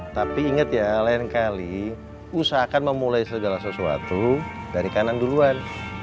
tapi ingat ya lain kali usahakan memulai segala sesuatu dari kanan duluan